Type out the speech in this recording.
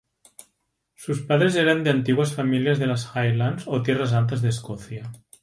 Sus padres eran de antiguas familias de las Highlands o Tierras Altas de Escocia.